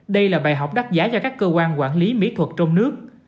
đây là bài học đắt giá cho các cơ quan quản lý mỹ thuật trong nước